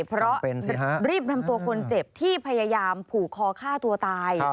เพราะรีบนำตัวคนเจ็บที่พยายามผูกคอฆ่าตัวตาย